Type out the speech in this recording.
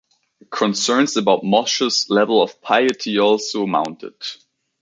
Concerns about Moshe's level of piety also mounted.